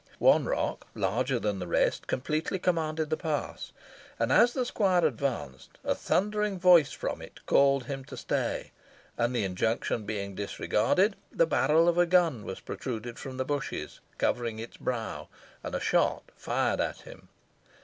One rock, larger than the rest, completely commanded the pass, and, as the squire advanced, a thundering voice from it called to him to stay; and the injunction being disregarded, the barrel of a gun was protruded from the bushes covering its brow, and a shot fired at him.